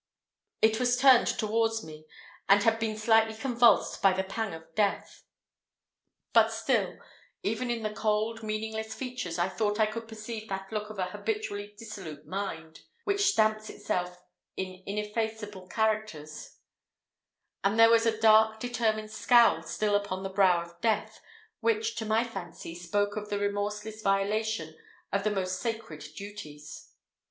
It was turned towards me, and had been slightly convulsed by the pang of death; but still, even in the cold, meaningless features, I thought I could perceive that look of an habitually dissolute mind, which stamps itself in ineffaceable characters; and there was a dark determined scowl still upon the brow of death, which, to my fancy, spoke of the remorseless violation of the most sacred duties.